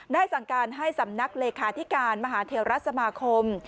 สั่งการให้สำนักเลขาธิการมหาเทวรัฐสมาคม